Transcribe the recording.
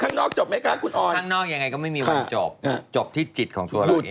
ข้างนอกจบไหมคะคุณออนข้างนอกยังไงก็ไม่มีวันจบจบที่จิตของตัวเราเอง